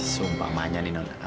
sumpah banyak nih non